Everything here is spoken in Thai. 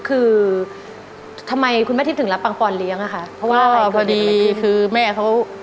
คือทำไมคุณแม่ทิพย์ถึงรับปังปอนเลี้ยงอะค่ะเพราะว่าอะไรพอดีคือแม่เขา